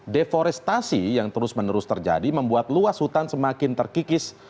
deforestasi yang terus menerus terjadi membuat luas hutan semakin terkikis